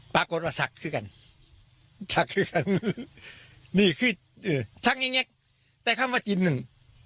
ปรากฏว่าสักคือกันสักแยะแยะแต่เขามาจินหนึ่ง